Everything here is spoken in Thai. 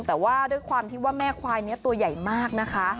แต่ว่าด้วยความที่ว่าแม่ควายนี้ตัวใหญ่มากนะคะ